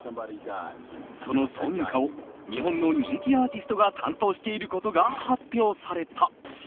その挿入歌を日本の人気アーティストが担当していることが発表された。